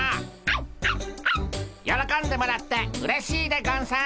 よろこんでもらってうれしいでゴンス。